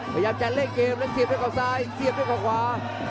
ขยับจะเล่นเกมแล้วเสียบให้เขาซ้ายเสียบให้เขาขวา